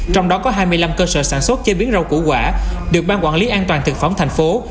trong đó có hai mươi năm cơ sở sản xuất chế biến rau củ quả được ban quản lý an toàn thực phẩm thành phố